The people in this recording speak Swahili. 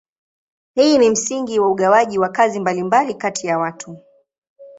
Hii ni msingi wa ugawaji wa kazi mbalimbali kati ya watu.